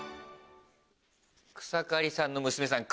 草刈さんの娘さん。